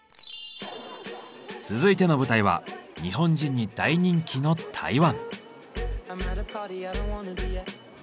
続いての舞台は日本人に大人気の台湾。